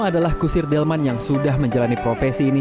setelah kusir delman yang sudah menjalani profesi ini